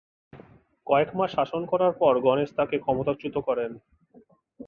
কয়েকমাস শাসন করার পর গণেশ তাকে ক্ষমতাচ্যুত করেন।